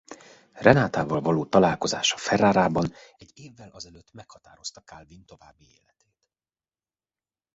Renatával való találkozása Ferrarában egy évvel azelőtt meghatározta Kálvin további életét.